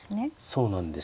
そうなんです。